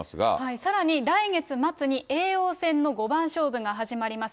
さらに、来月末に叡王戦の五番勝負が始まります。